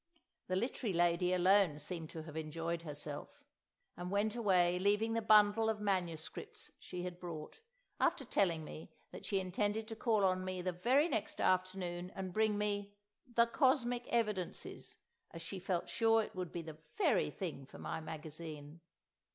The Literary Lady alone seemed to have enjoyed herself, and went away leaving the bundle of MSS. she had brought, after telling me that she intended to call on me the very next afternoon and bring me "The Cosmic Evidences," as she felt sure it would be the very thing for my magazine.